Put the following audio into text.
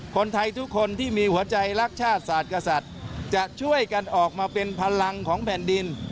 คนไทยทุกคนที่มีหัวใจรักชาติศาสตร์กษัตริย์จะช่วยกันออกมาเป็นพลังของแผ่นดิน